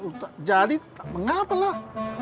kalau tak jadi tak mengapa lah